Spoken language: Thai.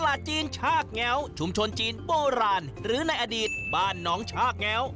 ตลาดจีนชากแง้วชุมชนจีนโบราณหรือในอดีตบ้านน้องชากแง้ว